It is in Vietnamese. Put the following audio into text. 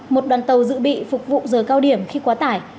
một đoàn tàu dự bị phục vụ giờ cao điểm khi quá tải